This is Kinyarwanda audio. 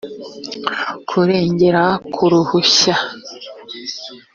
kurengera ku ruhushya